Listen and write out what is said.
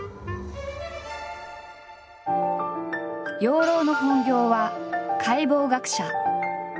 養老の本業は解剖学者。